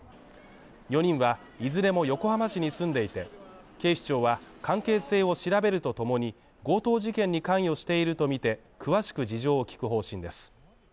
４人はいずれも横浜市に住んでいて、警視庁は関係性を調べるとともに、強盗事件に関与しているとみて、詳しく事情を聞く方針です。